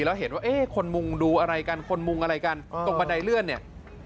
แล้วเห็นว่าเอ๊ะคนมุงดูอะไรกันคนมุงอะไรกันตรงบันไดเลื่อนเนี่ย